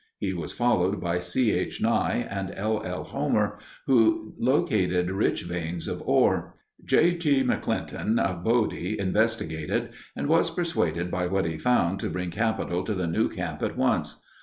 He was followed by C. H. Nye and L. L. Homer, who located rich veins of ore. J. G. McClinton, of Bodie, investigated and was persuaded by what he found to bring capital to the new camp at once.